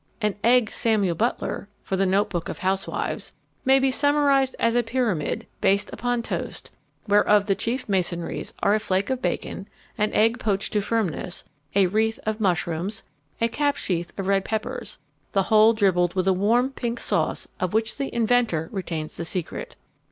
An Egg Samuel Butler, for the notebook of housewives, may be summarized as a pyramid, based upon toast, whereof the chief masonries are a flake of bacon, an egg poached to firmness, a wreath of mushrooms, a cap sheaf of red peppers; the whole dribbled with a warm pink sauce of which the inventor retains the secret.